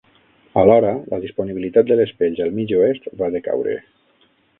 Alhora, la disponibilitat de les pells al mig oest va decaure.